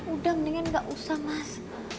udah mendingan enggak usah mas